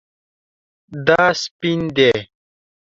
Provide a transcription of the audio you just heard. دا سپین دی